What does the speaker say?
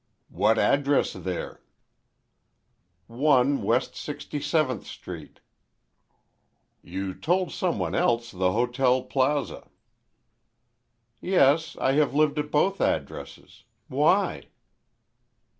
"What address there?" "One West Sixty seventh Street." "You told some one else the Hotel Plaza." "Yes; I have lived at both addresses. Why?"